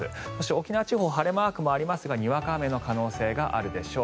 沖縄地方、晴れマークもありますがにわか雨の可能性があるでしょう。